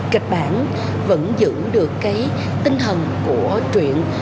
kịch bản vẫn giữ được cái tinh thần của chuyện